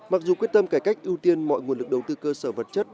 mặc dù quyết tâm cải cách ưu tiên mọi nguồn lực đầu tư cơ sở vật chất